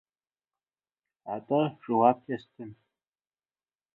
Ну, что отвечу ей?!